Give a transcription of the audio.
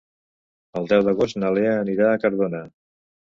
El deu d'agost na Lea anirà a Cardona.